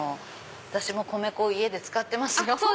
私も米粉家で使ってますよ。